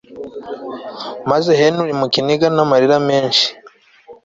maze Henry mu kiniga namarira menshi